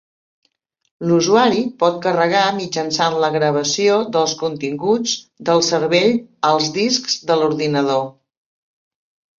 L'usuari pot "carregar" mitjançant la gravació dels continguts del cervell als discs de l'ordinador.